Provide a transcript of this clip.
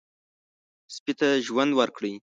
سپي ته ژوند ورکړئ.